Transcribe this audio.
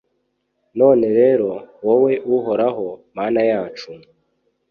None rero, wowe Uhoraho, Mana yacu,